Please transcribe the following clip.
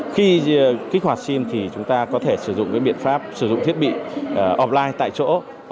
khi kích hoạt sim thì chúng ta có thể sử dụng biện pháp sử dụng thiết bị offline tại chỗ